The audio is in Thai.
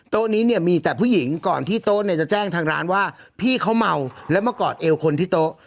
นี้เนี่ยมีแต่ผู้หญิงก่อนที่โต๊ะเนี่ยจะแจ้งทางร้านว่าพี่เขาเมาแล้วมากอดเอวคนที่โต๊ะ